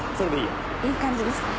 いい感じですか？